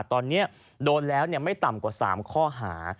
ตอนนี้โดนแล้วไม่ต่ำกว่า๓ข้อหา